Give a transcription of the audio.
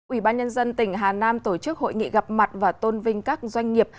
ủy ban nhân dân tỉnh hà nam tổ chức hội nghị gặp mặt và tôn vinh các doanh nghiệp